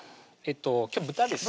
今日豚です